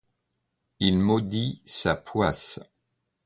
Il maudit sa poisse.